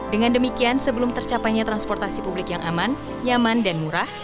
dengan demikian sebelum tercapainya transportasi publik yang aman nyaman dan murah